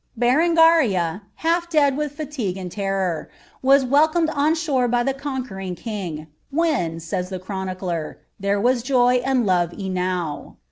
Bereupiria, half ; 11 Uh laligue and terror, was welcomed on shore by the conquering :. M'hen. saya the chronicler, '■ there was joy and love enow."